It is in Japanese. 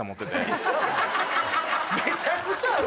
めちゃくちゃある。